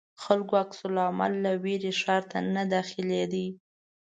خلکو عکس العمل له وېرې ښار ته نه داخلېدی.